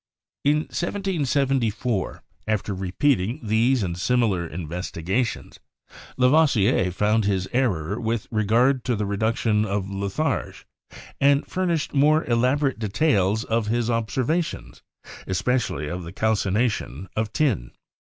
In 1774, after repeating these and similar investigations, Lavoisier found his error with regard to the reduction of litharge, and furnished more elaborate details of his obser vations, especially of the calcination of tin.